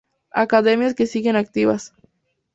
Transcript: Academias que siguen activas.